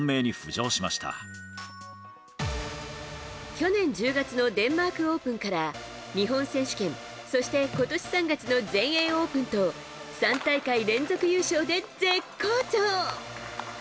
去年１０月のデンマーク・オープンから日本選手権、そして今年３月の全英オープンと３大会連続優勝で絶好調。